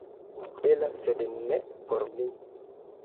Bela, sed ne por mi.